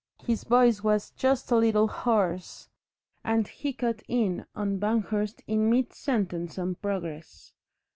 His voice was just a little hoarse, and he cut in on Banghurst in mid sentence on Progress.